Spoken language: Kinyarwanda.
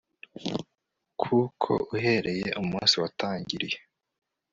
kuko uhereye umunsi watangiriye